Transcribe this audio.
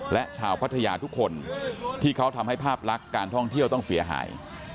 และชาวพัทยาทุกคนที่เขาทำให้ภาพลักษณ์การท่องเที่ยวต้องเสียหาย